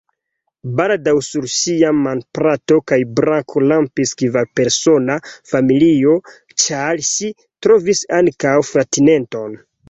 Baldaŭ sur ŝia manplato kaj brako rampis kvarpersona familio, ĉar ŝi trovis ankaŭ fratineton.